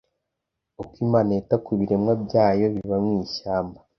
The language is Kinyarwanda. uko Imana yita ku biremwa byayo biba mu ishyamba